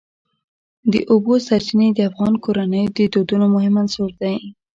د اوبو سرچینې د افغان کورنیو د دودونو مهم عنصر دی.